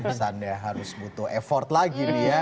mas besanda harus butuh effort lagi nih ya